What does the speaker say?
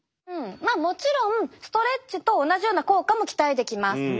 まあもちろんストレッチと同じような効果も期待できます。